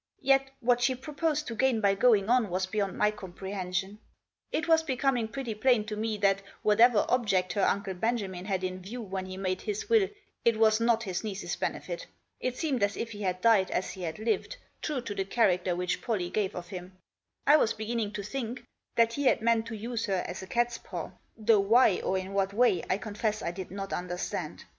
Yet what she proposed to gain by going on was beyond my comprehension. It was becoming pretty plain to me that whatever object her Uncle Benjamin had in view when he made his will it was not his niece's benefit. It seemed as if he had died as he had lived, true to the character which Pollie gave of him. I was beginning to think that he had meant to use her as a catspaw, though why, or in what way, I confess I did not understand.